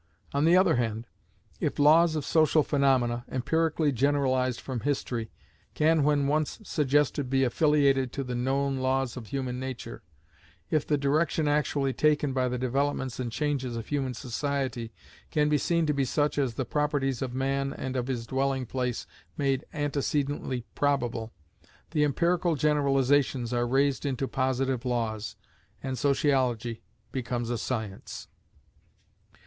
On the other hand, if laws of social phaenomena, empirically generalized from history, can when once suggested be affiliated to the known laws of human nature; if the direction actually taken by the developments and changes of human society, can be seen to be such as the properties of man and of his dwelling place made antecedently probable, the empirical generalizations are raised into positive laws, and Sociology becomes a science.